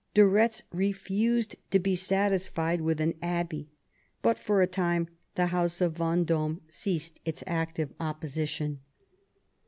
De Eetz refused to be satisfied with an abbey, but for a time the house of Vend6me ceased its active opposition.